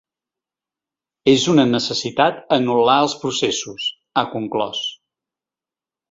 “És una necessitat anul·lar els processos”, ha conclòs.